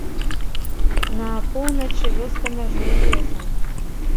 На поўначы вёска мяжуе з лесам.